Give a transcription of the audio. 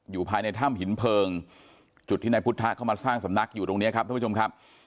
อยู่ในถ้ำหินเพลิงจุดที่นายพุทธะเข้ามาสร้างสำนักอยู่ตรงนี้ครับท่านผู้ชมครับ